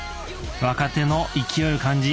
若手の勢いを感じ